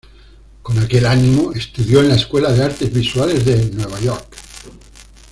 Con aquel ánimo, estudió en la Escuela de Artes Visuales de Nueva York.